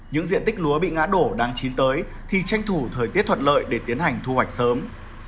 những diện tích lúa bị ngã đổ đang chín tới thì tranh thủ thời tiết thuận lợi để tiến hành thu hoạch sớm